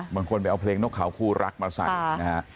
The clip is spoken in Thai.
บางคนไปเอาเพลงนกเขาคู่รักมาใส่นะฮะ